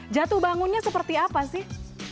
jatuh bangunnya seperti apa sih